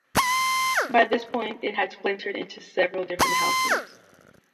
By this point it had splintered into several different houses.